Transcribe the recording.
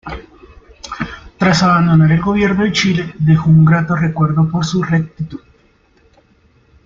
Tras abandonar el gobierno de Chile, dejó un grato recuerdo por su rectitud.